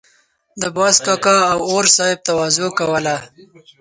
د باز کاکا او اور صاحب تواضع کوله.